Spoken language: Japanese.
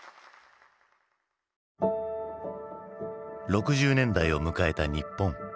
６０年代を迎えた日本。